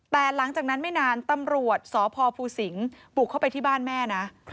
แต่หลังจากนั้นไม่นานตำรวจสพภูสิงศ์บุกเข้าไปที่บ้านแม่นะ